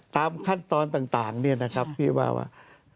ตามขั้นตอนต่างเนี่ยนะครับพี่ว่าว่า